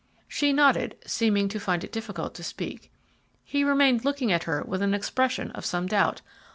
She nodded, seeming to find it difficult to speak. He remained looking at her with an expression of some doubt.